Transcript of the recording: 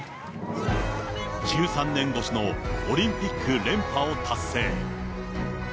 １３年越しのオリンピック連覇を達成。